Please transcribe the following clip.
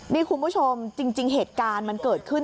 นี่คุณผู้ชมจริงเหตุการณ์มันเกิดขึ้น